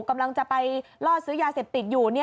กำลังจะไปล่อซื้อยาเสพติดอยู่